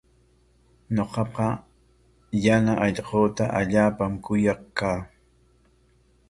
Ñuqaqa yana allquuta allaapam kuyaq kaa.